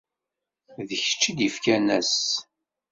D kečč i d-ifkan ass.